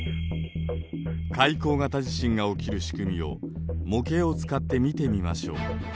海溝型地震が起きる仕組みを模型を使って見てみましょう。